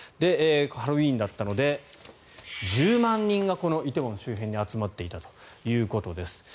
ハロウィーンだったので１０万人がこの梨泰院周辺に集まっていたということです。